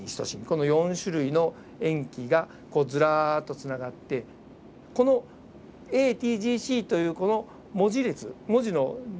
この４種類の塩基がずらっとつながってこのＡＴＧＣというこの文字列文字の並びが設計図なんですね。